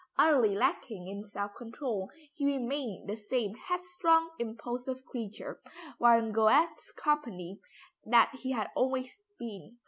Utterly lacking in self control, he remained the same headstrong impulsive creature, while in Goethe's company, that he had always been.